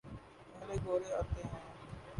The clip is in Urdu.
پہلے گورے آتے تھے۔